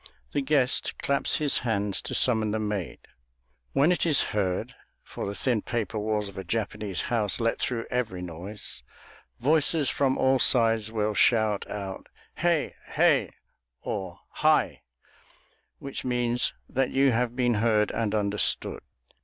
The guest claps his hands to summon the maid. When it is heard, for the thin paper walls of a Japanese house let through every noise, voices from all sides will shout out Hē´ hē´, or Hai, which means that you have been heard, and understood.